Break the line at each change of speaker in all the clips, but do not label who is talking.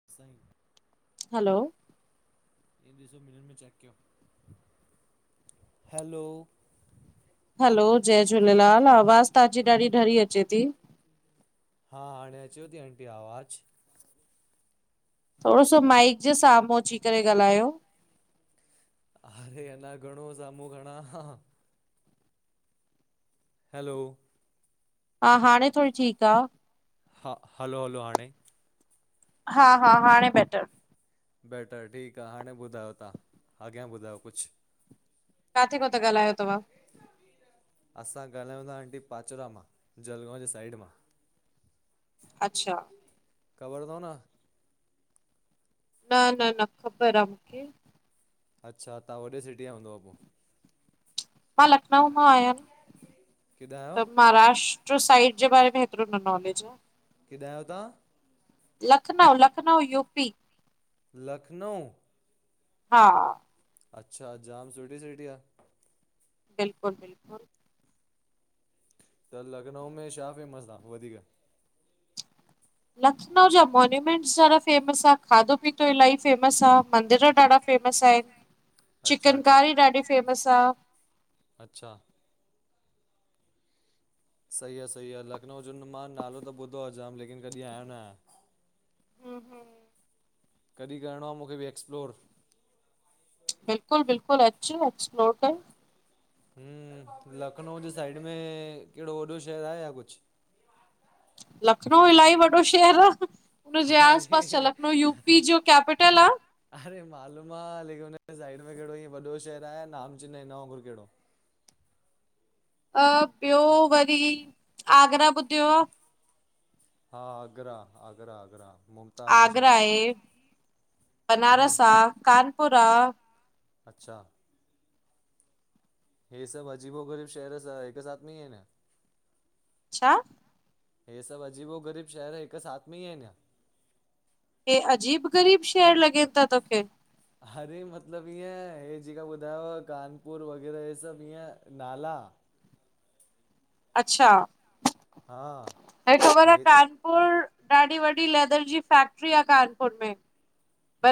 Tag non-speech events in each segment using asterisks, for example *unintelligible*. साईं।
हलो।
हे ॾिसो हिनन में चैक कयो, हैलो।
हलो जय झूलेलाल आवाज़ तहांजी ॾाढी ढरी अचे थी।
हा हाणे अचेव थी आंटी आवाज़।
थोरो सो माइक जे साम्हूं अची करे ॻाल्हायो।
अरे अञा घणो साम्हूं खणा? हैलो।
हा हाणे थोरी ठीकु आ।
हा, हलो हलो हाणे।
हा हा, हाणे बैेटर।
बैटर ठीकु आहे हाणे ॿुधायो तव्हां अॻियां ॿुधायो कुझु
काथे खां था ॻाल्हायो तव्हां
असां ॻाल्हायूं था आंटी पाचड़ा मां जलगांव जे साइड मां
अच्छा
ख़बर अथव न
न न न ख़बर आहे मूंखे
अच्छा तव्हां वॾे सिटी जा हूंदव पोइ
मां लखनऊ मां आहियां
केॾां आहियो
त महाराष्ट्र ॿियो साईंट जे बारे में हेतिरो नालेज आं
किथा आहियो तव्हां
लखनऊ लखनऊ यूपी
लखनऊ
हा
अच्छा जाम सुठी सिटी आहे
बिल्कुलु बिल्कुलु
त लखनऊ में छा फेमस आहे वधीक
लखनऊ जा मोन्यूमेंट सर *unintelligible* फेमस आहे खाधो पीतो इलाही फेमस आहे मंदर ॾाढा फेमस आहिनि
अच्छा
चिकन
अच्छा
कारी ॾाढी फेमस आहे
अच्छा सही आहे सही आहे लखनऊ जो मां नालो त ॿुधो आहे जाम लेकिन कॾहिं आयो न आहियां
हम हम
कॾहिं करिणो आहे मूंखे बि एक्सप्लोर
बिल्कुलु बिल्कुलु अचु एक्सप्लोर कर
ह लखनऊ जे साइड में कहिड़ो वॾो शहरु आहे या कुझु
लखनऊ इलाही वॾो शहर आहे उन जे आस पास
अरे
लखनऊ यूपी जो केपटल आहे
अरे मालूम आहे लेकिन साइड में कहिड़ो हीअ वॾो शहर आहे नामचिन हिन वांगुरु कहिड़ो
अ ॿियो वरी आगरा ॿुधियो आहे
हा आगरा आगरा आगरा मु
आगरा आहे बनारस
हम्म,
कानपुर आं
अच्छा हे सभु अजीबो गरीब शहर सभु हिक साथ में आहिन
अ छा
हे सभु अजीबो ग़रीब शहर हिकु साथ में ई आहिन
हे अजीब ग़रीब शहर लॻनि था तोखे
अरे मतिलबु ईअं हेहे जेका ॿुधायोव कानपुर वग़ैरह इहे सभु ईअं नाला
अच्छा
हा
हे ख़बर आहे कान पु *unintelligible* ॾाढी वॾी लेदर जी फैक्ट्री आहे कानपुर में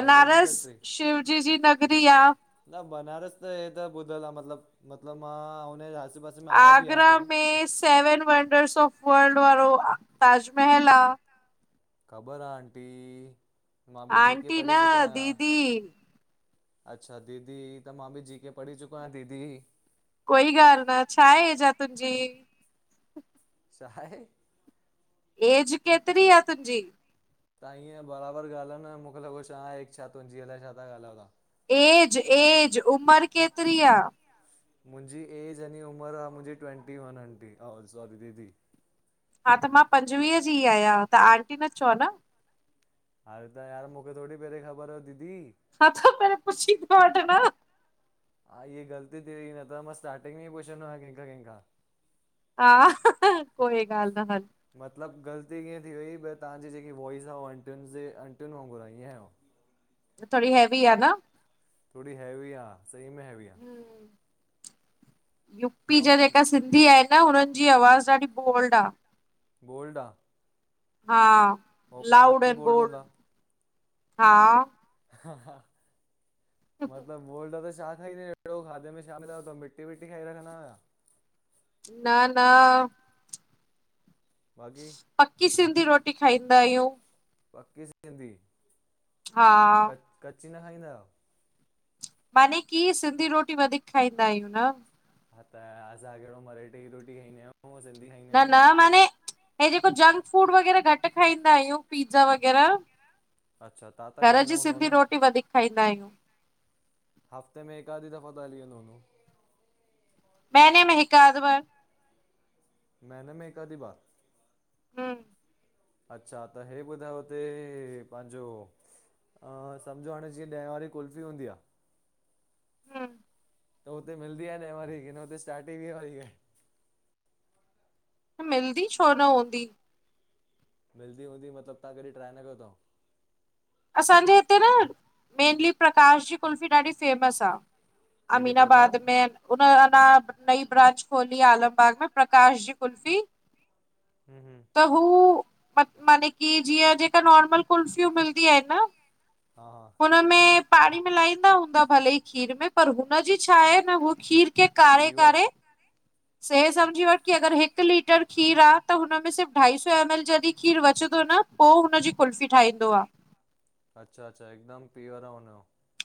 लेदर जी फैक्ट्री
शिवजी जी नगरी आहे
न बनारस त हे त ॿुधल आहे मतलब मतलब मां उनजे आसेपास
आगरा में सेवन वंडर्स ऑफ वर्ल्ड वारो ताजमहल आहे
ख़बरु आहे आंटी मां बि जी के
आंटी न
पढ़ी चुको आहियां
दीदी
अच्छा दीदी त मां बि जी के पढ़ी चुको आहियां दीदी
कोई ॻाल्हि न छा एज आं तुंहिंजी
छा हे
एज केतिरी आहे तुंहिंजी
तव्हां हीअं बराबर ॻाल्हायो न, मूंखे लॻो छा आहे? छा तुंजे अलाए छा ता ॻाल्हायो तां?
ऐज एज, उमर केतिरी आ?
मुंजी एज यानी उमिर आ मुंजी, ट्वेंटी वन आंटी, अ सॉरी दीदी।
हा, त मां पंजवीह जी आयां त आंटी न चओ न।
अरे त यार, मूंखे थोरी पेरे ख़बर हो दीदी।
अछा, पर पुछी त वठंदव।
हा, इहे ग़लती थी वई, न त मां स्टार्टिंग में ई पुछंदो खयां, केंखा- केंखा।
हा, कोई ॻाल न हल।
मतलब ग़लती कीअं थी वई, तव्हांजी जेकी वॉइस आ, उहा अंटियुन जे, अंटियुन वांगुर आ ईअं।
थोड़ी हैवी आ न।
थोड़ी हेवी आ, सही में हेवी आ।
हम्म. यूपी जा
ऐं
जेका सिं सिंधी आहे न, हुनन जी आवाज़ ॾाढी बोल्ड आ।
बोल्ड आ?
हा, लाउड एंड बोल्ड हा। न
मतलब बोल्ड आ त शा खाईंदा एड़ो खाधे में शा मिलायो तव? मिटी विटी खाई रखंदा आयो छा?
न न
बाक़ी।
पक्की सिंधी रोटी खाईंदा आहियूं।
पक्की सिंधी।
हा
कच्ची न खाईंदा आहियो?
माने की सिंधी रोटी वधीक खाईंदा आहियूं न।
हा, त असां केड़ो मराठे जी रोटी खाईंदा आहियूं। ऊअं सिंधी
न,
आहियूं
न माने हे जेको जंक फूड वग़ैरह घट खाईंदा आहियूं, पिज़्ज़ा वग़ैरह।
अच्छा ताता
घर
खाईंदा
जी
हूंदव
सिंधी
न?
रोटी वधीक खाईंदा आहियूं।
हफ़्ते में हिक आधी दफ़ो त हली वेंदो हूंदो।
महीने में हिक अध बार।
महीने में हिक अधी बार।
हम्म
अच्छा, त हे ॿुधायो हुते पांजो आं, समझो हाणे जीअं ॾहें वारी कुल्फी हूंदी आ।
हम्म
त हुते मिलंदी आह न ॾहें वारी, कि न हुते स्टार्टिंग ई वीह वारी आ।
न मिलदी छो न हूंदी।
मिलदी हूंदी, मतलब तव्हां कॾहिं ट्राए न कयो तव?
असांजे हिते न, मेनली प्रकाश जी कुल्फी ॾाढी फेमस आ।
कहिड़ी प्रकार?
अमीनाबाद में उन अञा नई ब्रांच खोली आ आलमबाग में, प्रकाश जी कुल्फी।
हम्म हम्म
त हू, माने कि जीअं जेका नॉर्मल कुल्फियूं मिलदी आहिन न।
हा, हा
हुनमें पाणी मिलाईंदा हूंदा भले ही खीर में, पर हुनजी छा आहे न हू खीर के काड़े
पीवर
काड़े से समुझी वठि की अगरि हिक लीटर खीर आ त हुन में सिर्फ़ ढाई सौ एम एल जॾहिं खीर बचे थो न पोइ हुनजी कुल्फी ठाहींदो आ।
अच्छा अच्छा हिकदमि प्योर आ हुनजो।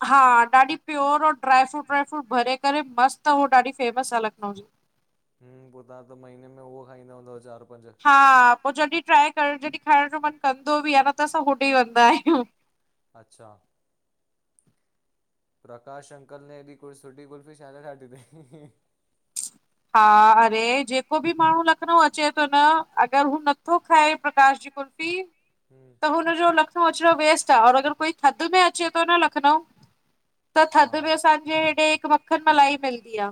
हा ॾाढी प्योर ऐं ड्राय फ्रुट व्राय फ्रूट भरे करे मस्त ॾाढी फेमस आ लखनऊ जी।
हूं पोइ तव्हां त महीने में उहो खाईंदा हूंदव चारि पंज?
हा पोइ जॾहिं ट्राए करण, जॾहिं खाइण जो मनु कंदो बि आहे न त असां होॾे ई वेंदा आहियूं।
अच्छा प्रकाश अंकल ने अहिड़ी कोई सुठी कुलफी छा लाए ठाती थई।
हा अरे जेको बि माण्हू लखनऊ अचे थो न अगर हू नथो खाए प्रकाश जी कुरपी
हम्म
त हुनजो लखनऊ अचणो वेस्ट आ और अगर कोई थधि में अचे थो न लखनऊ त
हा
थधि
हा
में असांजे हेॾे हिकु मक्खन मलाई मिलंदी आ।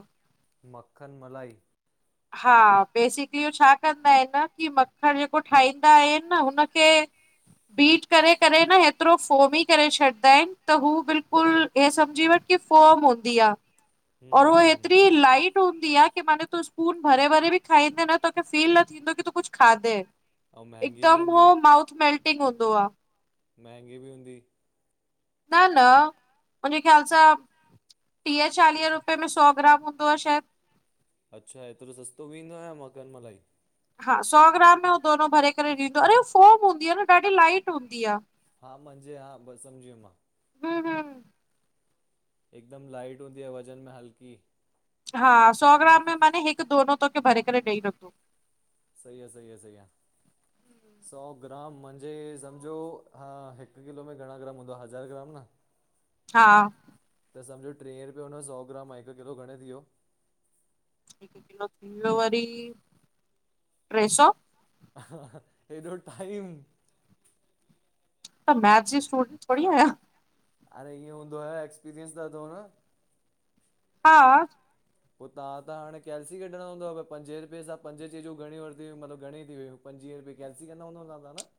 मक्खन मलाई
हा बेसिकली हो छा कंदा आहिन, कि मखण जेको ठाहींदा आहिन न हुनखे बीट करे करे न हेतिरो फोमी करे छॾींदा आहिन त हू बिल्कुल हिअं समुझी वठि कि फॉम हूंदी आहे और
हम्म
हो
हम्म
एतिरी लाइट हूंदी आहे कि माने तू स्पून भरे भरे बि खाईंदे न तोखे फील न थींदो की तूं कुछ खाधे।
ऐं महांगी बि
हिकदम हो
हूंदी
माउथ मेल्टिंग हूंदो आ।
महंगी बि हूंदी?
न न, मुंहिंजे ख़याल सां टीह चालीह रुपये में सौ ग्राम हूंदो आ शायद।
अच्छा हेतिरो सस्तो बि ईदो आहियां मखण मलाई?
हा सौ ग्राम में हूअ दोनो भरे करे ॾींदो आहे। अड़े फॉम हूंदी आहे न ॾाढी लाइट हूंदी आहे।
हा मुंहिंजे हा बस समझी वयमि मां।
हूं हूं
हिकदम लाइट हूंदी आ वज़न में हल्की
हा सौ ग्राम में माने हिक दोनो तोखे भरे करे ॾेई रखो।
सही आ सही आ सही आ।
हम्म *inaudible*
सौ ग्राम मांजे हे समझो हा हिक किलो में घणा ग्राम हूंदो आहे हज़ार ग्राम न
हा
त समझो टीहं रुपये हुन जो सौ ग्राम हिकु किलो घणे थी वियो?
किलो वारी टे सौ
हेॾो टाइम
त मैथस जी स्टूडेंट थोड़ी आयां
अरे इअं हूंदो आहे एक्सपीरियंस त थव न
हा
पोइ तव्हां त हाणे कैल्सी कढणो हूंदो भई पंजे रुपे सां पंजीजूं घणी वरितियूंतबु घणे थी वई पंजवीहु रूपए कैलसी क हूंदोदावदा न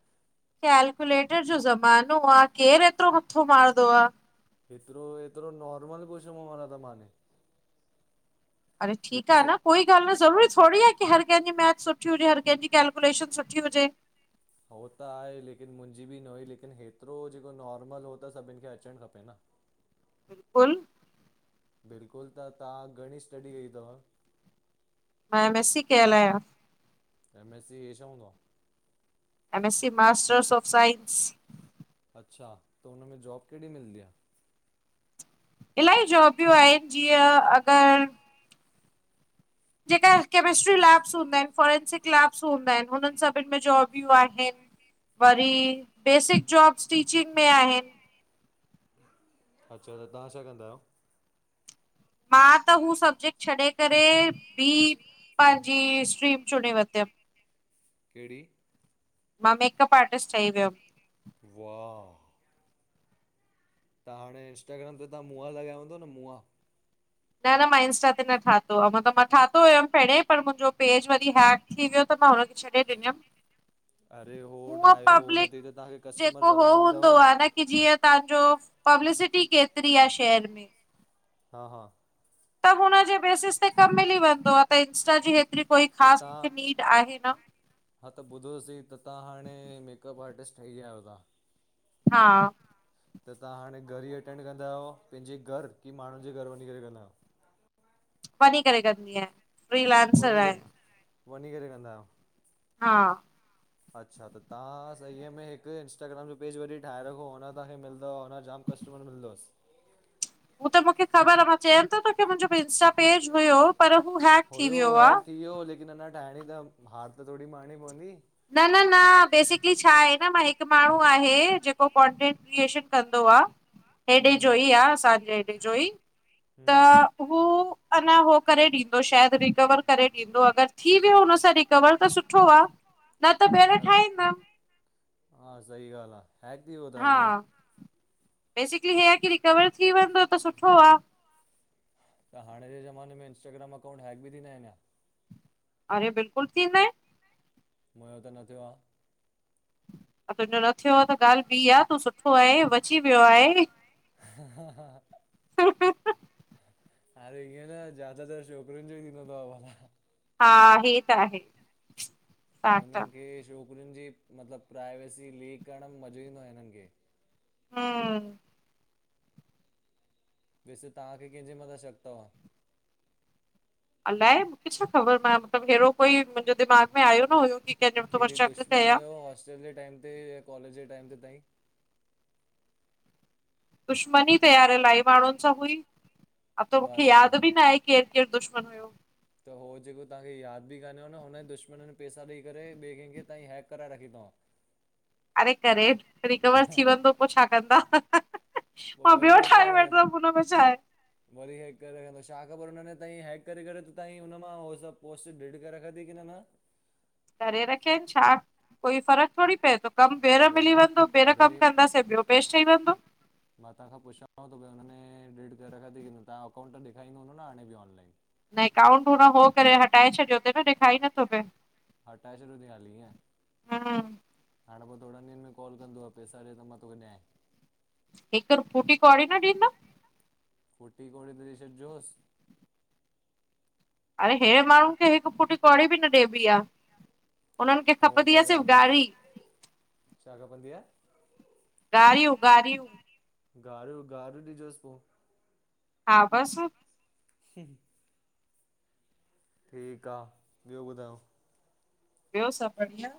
कैलकुलेटर जो ज़मानो आ केर एतिरो मथो मारंदो आ
एतिरो एतिरो नॉर्मल पशम वारा त माने
अड़े ठीक आ
वैसे
न कोई ॻाल्ह न ज़रूरी थोडी आ की हर कंहिंजी मैथ सुठी हुजे हर कंहिंजी कै्कुलेशन सुठी हुजे
हो त आ लेकिन मुंहिंजी बि न हुई लेकिन हेतिरो जेको नॉर्मल हो त सभिन खे अचण खपे न
बिल्कुलु *unintelligible*
बिल्कुलु त तव्हां घणी स्टडी कई अथव?
मां एम एस सी कल आहियां।
एम एस सी हे छा हूंदो आहे?
M S C masters of science
अच्छा त हुनमें जॉब कहिड़ेॾी मिलंदी आहे?
इलाही जॉबियूं आहिनि जीअं अगरि जेका कैमिस्ट्री लैब्स हूंदा आहिनि फॉरेंसिक लैब्स हूंदा आहिनि हुननि सभिनि में जॉबियूं आहिनि। वरी बेसिक जॉब्स टीचिंग में आहे।
अच्छा त तव्हां छा कंदा आहियो?
मां त हू सब्जेक्ट छॾे करे ॿ पंहिंजी स्ट्रीम चणे वरितमि।
कहिड़ी?
मां मेकअप आर्टिस्ट ठही वियमि।
वाह त हाणे इंस्टाग्राम ते तव्हां मुंआ लॻाया वूंदो न मूंंआ?
न न मां इंस्टा ते न ठातयो आहेमतलब मां ठातयो हुयमि पहिरें पर मुंहिंजो पेज वरी हैक थी वियो त मां हुनखे
अरे हो ठाहियो हुन ते त तव्हांखे
*inaudible* जेक
कस्टमर ज़्यादा
हूंदो
मिलंदव
आ न
हा
की जीअं तव्हांजो पब्लिसिटी केतिरी आहे शहर में।
हा हा
त हुनजे बेसिस ते कम मिली वेंदो आहे इंस्टा जी हेत
त
ख़ास
तव्हां
मूंखे नीड आहे न।
हा त ॿुधोसीं त तव्हां हाणे मेकअप आर्टिस्ट ठही आहियो ताहां?
हा
त तव्हां हाणे घर ई अटेंड कंदा आहियो पंहिंजे घर की माण्हुनि जे घर वञी करे कंदा आहियो?
वनी करे करी आ।
वञी करे वञी करे कंदा आहियों?
हा
अच्छा त तव्हां सही में हिकु इंस्टाग्राम जो पेज वरी ठाहे रखो अ तव्हांखे मिलंदव हुन जामु कस्टमर मिलंदव।
हू त मूंखे ख़बर आ मां चयमि थो तोखे मुंहिंजो इंस्टा पेज हुयो। पर हू हैक थी
हुयो
वियो
है
आ
थी वियो लेकिन अञा ठाहिणी त हार त थोडी मारणी पवंदी।
न न न बेसिक छा हिकु माण्हू आहे जेको कॉन्टेंट क्रिएशन कंदो आ।
हम्म
हेॾे जो
हम्म
ई आहे असांजे हेॾे जो ई
हम्म
त
हम्म
हू अञा उहो करे ॾींदो शायदि रिकवर करे ॾींदो अगरि थी वियो हुन सां रिकवर त सुठो आ। न त
हूं
ॿीहर
न
ठाहींदमि
हा सहॻाल्ह आ हक थीवयो
हा बेसिकली हीअ आहे की रिकवर थी वेंदो त सुठो आहे।
त हाणे जे ज़माने में इंस्टाग्राम अकाउंट है बि थीा आहिनि छा?
अरे बिल्कुलु थींदा आहिनि।
मयो त न थियो आहे।
तुंहिंजो न थियो आहे त ॻाल्हि ॿी आहे तू सुठो आहे बची वियो आ आहे।
हा हा हा अरे इअं न ज्यादा तर छोकिरियुनि ॼो ही थीन्दो तव।
हा हे त आहे। फैक्ट
उननि खे छोकिरियुनि ॼी मतलॿ प्रायवेसी लीक कइंण में मॼो़ ईंदो आ हिननि खे।
हूं।
वेसे तहांखे कंहिंॼे मथां शक तव?
अलाए मुखे छा ख़ॿर मां मतलबु अ हेड़ो कोई मुंॼे दिमाग़ में आयो न हुयो की कंहिंजो थो मां
कहिड़ी
शक
दुश्मनु
कयां
हुयो हॉस्टल ॼे टाइम ते या कॉलेॼ ॼे टाइम ते ताईं?
दुश्मनी त यार, इलाही माण्हुन सां हुई। अब त मुखे
बसि
याद ॿि नाहे केर
पोइ
केर दुश्मन हुयो।
त हो ॼेको तहांखे याद ॿि कान्हे न, हुनन दुश्मनन पैसा ॾई करे ॿिए केंखे तव्हां जी हैक कराए रखी तंव।
अरे! करे रिकवर थी वेंदो पो छा कंदा?
पोइ
मां
वरी
ॿियो
हैक करे
ठाहे
रखंदा
वठदम हुनमें छाहे।
वरी हैक करे रखंदो, छा ख़बर हुन ने ताईं हैक करे करे तांई हुन मां हो सभ पोस्ट डिड करे रखंदी कि न न।
करेे रखे, छा कोई फ़र्क़? थोड़ी पए थो, कम ॿियर
अरे
मिली वेंदो, ॿेहर
अरे
कम कंदासीं ॿियो पेज ठही वेंदो।
मां तव्हां खां पुछांव तो पियो? हुनने डिलीट करे रखां तई कि न, तव्हां अकाउंट ॾेखाइंदो हूंदो न हाणे ॿि ऑनलाइन?
न एकाउंट हुन हो करे हटाए छॾियो तई न, ॾेखाई नथो पए।
हटाए छॾियो तंईं हाली ईंअं।
हा
हाणे पो थोड़न ॾींहंन में काल कंदुव, पैसा ॾे त मां तोखे ॾियांए।
हिक फूटी कौड़ी न ॾींदम।
फूटी कौणी त ॾई छॾजोस।
अड़े! हेड़े माण्हुन खे हिक फूटी कौड़ी ॿि न ॾेबी आ। उन्हन खे
हो
खपदी आ,
त
सिर्फ़
ॻाल्हि
ॻारी।
आहे छा खपंदी आ?
ॻारियूं ॻारियूं
ॻारियूं-ॻारियूं। ॻारियूं ॻारूं ॾिजोस पो।
हा बस।
हम्म ठीक आ, ॿियो ॿुधायो?
ॿियो सभ बढ़िया।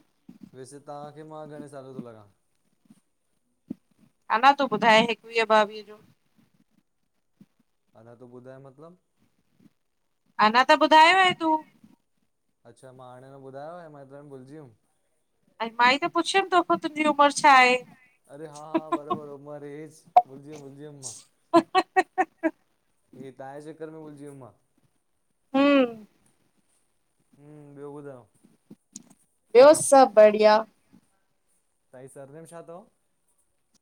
वैसे तहांखे मां घणें साले ॼो तो लॻां?
अनां तूं ॿुधाए हिकवीह ॿावीह ॼो।
अना तूं ॿुधाए मतलॿ?
अनां त ॿुधायो हुयई तूं।
अच्छा, मां हाणें में ॿुधायो, ऐं मां एतरे में भुलजी वियुम।
अंए मांई त पुछियुम तोखां, तुंॼी उमर छा ए?
अरे! हा, हा ॿरोॿर उमर ऐज भुलिॼीयुम भुलिॼीयुम मां।
ह ह
हे तांजे चक्कर में भुलजी वियुम मां।
हम्म
हम्म, ॿियो ॿुधायो?
ॿियो सभ बढ़िया।
तांजी सरनेम छा तव?